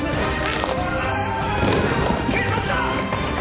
警察だ！